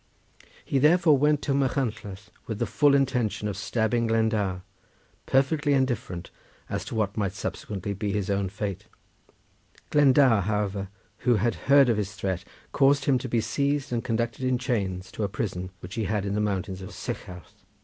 He therefore went to Machynlleth with the full intention of stabbing Glendower, perfectly indifferent as to what might subsequently be his own fate. Glendower, however, who had heard of his threat, caused him to be seized and conducted in chains to a prison which he had in the mountains of Sycharth.